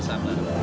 aduh penata ksn